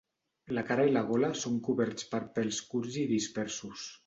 La cara i la gola són coberts per pèls curts i dispersos.